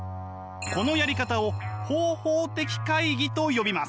このやり方を方法的懐疑と呼びます。